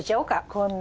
こんな。